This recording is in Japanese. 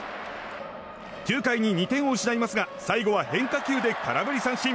９回に２点を失いますが最後は変化球で空振り三振。